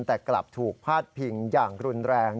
แต่กลับถูกพาดพิงอย่างรุนแรง